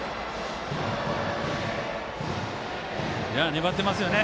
粘ってますよね。